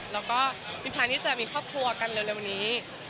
แล้วก็มีแพลนที่จะมีครอบครัวกันเร็วนี้